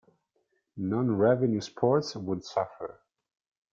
Non-revenue sports would suffer.